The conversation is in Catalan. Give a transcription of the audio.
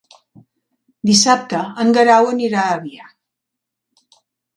Dissabte en Guerau anirà a Avià.